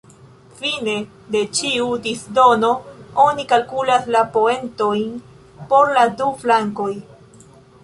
Fine de ĉiu "disdono" oni kalkulas la poentojn por la du flankoj.